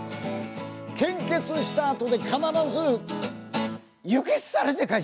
献血したあとで必ず輸血されて帰ってきたの。